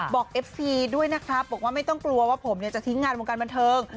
เอฟซีด้วยนะครับบอกว่าไม่ต้องกลัวว่าผมจะทิ้งงานวงการบันเทิง